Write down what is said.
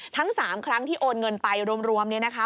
ทั้ง๓ครั้งที่โอนเงินไปรวมเนี่ยนะคะ